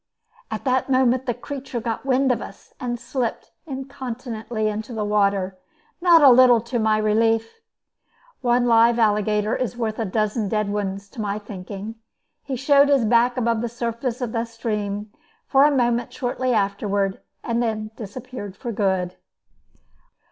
At that moment the creature got wind of us, and slipped incontinently into the water, not a little to my relief. One live alligator is worth a dozen dead ones, to my thinking. He showed his back above the surface of the stream for a moment shortly afterward, and then disappeared for good.